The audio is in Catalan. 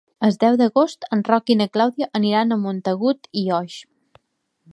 El deu d'agost en Roc i na Clàudia aniran a Montagut i Oix.